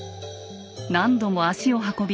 何度も足を運び